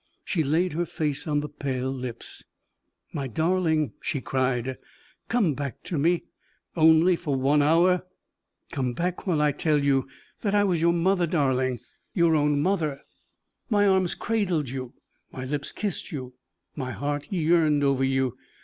She laid her face on the pale lips. "My darling," she cried, "come back to me, only for one hour: come back, while I tell you that I was your mother, darling your own mother. My arms cradled you, my lips kissed you, my heart yearned over you.